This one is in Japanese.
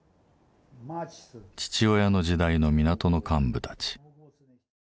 父親の時代の港の幹部たち。